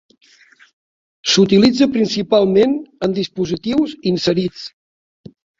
S'utilitza principalment en dispositius inserits.